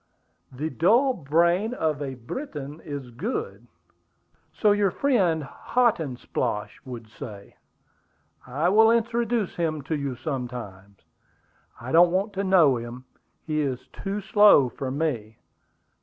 "The dull brain of a Briton is good." "So your friend Hotandsplosh would say." "I will introduce him to you some time." "I don't want to know him; he is too slow for me."